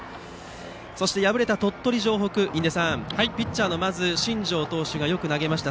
そして、敗れた鳥取城北はピッチャーの新庄投手がよく投げました。